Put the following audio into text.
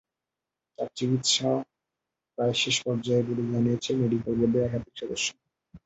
তাঁর চিকিৎসাও প্রায় শেষ পর্যায়ে বলে জানিয়েছেন মেডিকেল বোর্ডের একাধিক সদস্য।